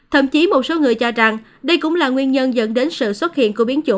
thậm chí một số người cho rằng đây cũng là nguyên nhân dẫn đến sự xuất hiện